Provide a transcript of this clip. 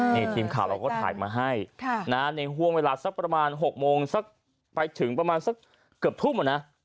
นี่ทีมข่าวเราก็ถ่ายมาให้ในห่วงเวลาสักประมาณ๖โมงสักไปถึงประมาณสักเกือบทุ่มอ่ะนะ